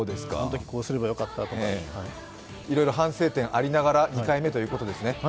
あのとき、こうすればよかったとかいろいろ反省点ありながら２回目ということですね。